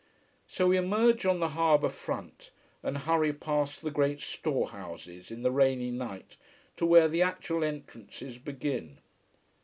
So we emerge on the harbour front, and hurry past the great storehouses in the rainy night, to where the actual entrances begin.